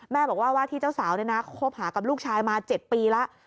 บอกว่าว่าที่เจ้าสาวเนี่ยนะคบหากับลูกชายมา๗ปีแล้ว